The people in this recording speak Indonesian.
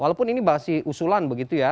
walaupun ini masih usulan begitu ya